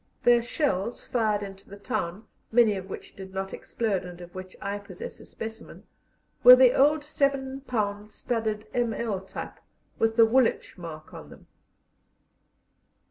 Their shells fired into the town, many of which did not explode, and of which I possess a specimen, were the old seven pound studded M.L. type, with the Woolwich mark on them.